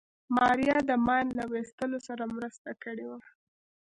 ماريا د ماين له ويستلو سره مرسته کړې وه.